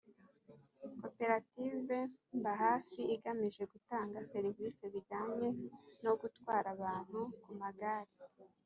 koperative mbahafi igamije gutanga serivisi zijyanye no gutwara abantu ku magare